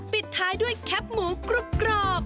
ปิดท้ายด้วยแคปหมูกรุบกรอบ